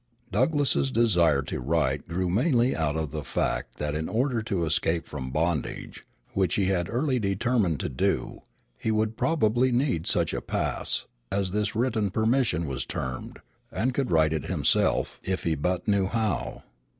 Douglass's desire to write grew mainly out of the fact that in order to escape from bondage, which he had early determined to do, he would probably need such a "pass," as this written permission was termed, and could write it himself if he but knew how.